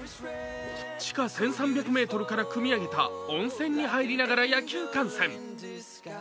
地下１３００ｍからくみ上げた温泉に入りながら野球観戦。